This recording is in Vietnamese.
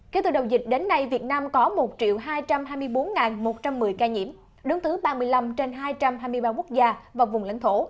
kể từ đầu dịch đến nay việt nam có một hai trăm hai mươi bốn một trăm một mươi ca nhiễm đứng thứ ba mươi năm trên hai trăm hai mươi ba quốc gia và vùng lãnh thổ